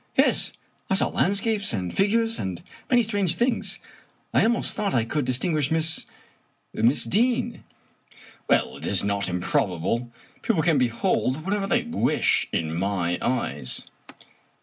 " Yes. I saw landscapes, and figures, and many strange things. I almost thought I could distinguish Miss — ^Miss — Deane!" " Well, it is not improbable. People can behold what ever they wish in my eyes."